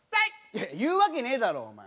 いや言うわけねえだろお前。